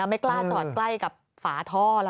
ไม่กล้าจอดใกล้กับฝาท่อล่ะ